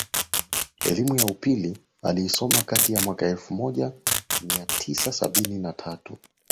Elimu ya Upili aliisoma kati ya mwaka elfu moja mia tisa sabini na tatu